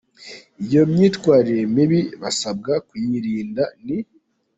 Iyo myitwarire mibi basabwa kwirinda ni :.